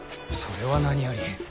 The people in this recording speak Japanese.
それは何より。